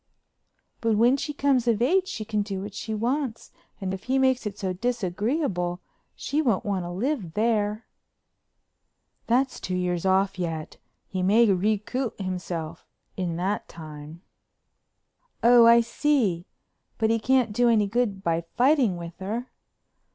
"But when she comes of age she can do what she wants and if he makes it so disagreeable she won't want to live there." "That's two years off yet. He may recoup himself in that time." "Oh, I see. But he can't do any good by fighting with her."